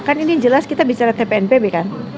kan ini jelas kita bicara tpnpb kan